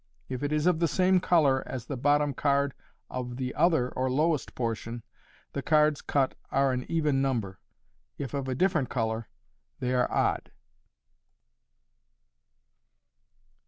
If it is of the same colour as the bottom card of the other or lowest portion, the cards cut are an even number * if of a different colour, they are odd.